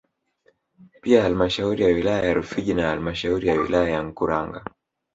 Pia halmashauri ya wilaya ya Rufiji na halmashauri ya wilaya ya Mkuranga